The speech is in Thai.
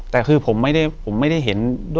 อยู่ที่แม่ศรีวิรัยิลครับ